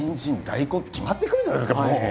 大根って決まってくるじゃないですかもう。